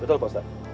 betul pak ustadz